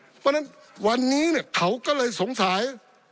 เพราะฉะนั้นวันนี้เขาก็เลยสงสัย